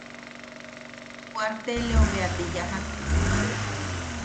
Kuaarteleu bea te yajak.